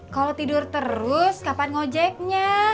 kalau tidur terus kapan ngojeknya